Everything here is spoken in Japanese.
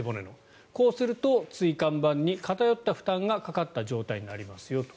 こうすると椎間板に偏った負担がかかった状態になりますよと。